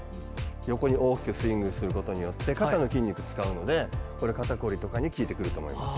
横に大きくスイングすることによって肩の筋肉を使うので肩こりとかに効いてくると思います。